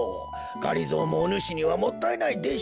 がりぞーもおぬしにはもったいないでしじゃ。